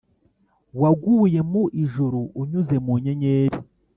waguye mu ijuru unyuze mu nyenyeri